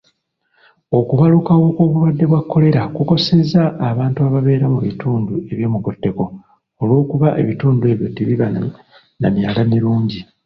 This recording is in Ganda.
Okubalukawo kw'obulwadde bwa kolera kukosezza abantu ababeera mu bitundu eby'omugotteko olw'okuba ebitundu ebyo tebiba na myala mirungi.